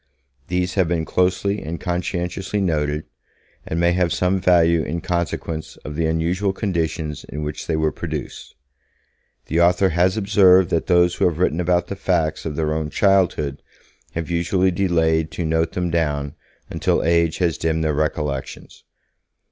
These have been closely and conscientiously noted, and may have some value in consequence of the unusual conditions in which they were produced. The author has observed that those who have written about the facts of their own childhood have usually delayed to note them down until age has dimmed their recollections.